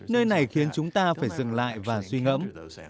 nơi này khiến chúng ta phải dừng lại và suy ngẫm